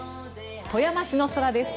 富山市の空です。